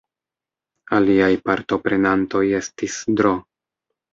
Aliaj partoprenantoj estis Dro.